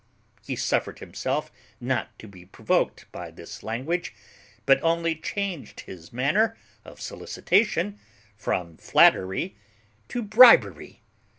He suffered himself not to be provoked by this language, but only changed his manner of solicitation from flattery to bribery.